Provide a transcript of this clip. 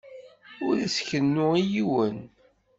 Ur as-kennu i yiwen.